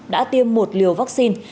đã tiêm một liều vaccine